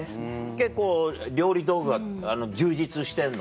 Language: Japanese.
結構料理道具は充実してんの？